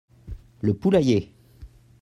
Le poulailler.